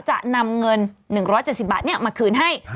จะนำเงิน๑๗๐บาทมาคืนให้